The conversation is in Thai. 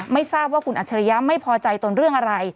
ไม่ทราบว่าคุณอัจฉริยะไม่พอใจตนเรื่องอะไร